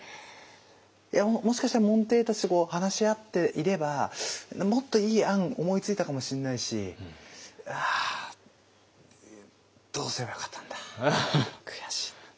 いやもしかしたら門弟たちと話し合っていればもっといい案思いついたかもしんないしあどうすればよかったんだ悔しい。